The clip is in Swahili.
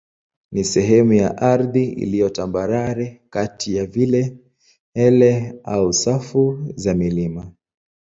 ni sehemu ya ardhi iliyo tambarare kati ya vilele au safu za milima.